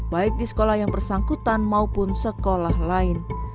baik di sekolah yang bersangkutan maupun sekolah lain